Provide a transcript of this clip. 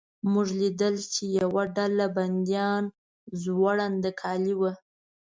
موږ لیدل چې یوه ډله بندیان زوړند کالي ول.